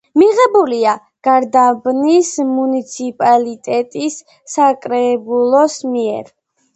მიღებულია გარდაბნის მუნიციპალიტეტის საკრებულოს მიერ.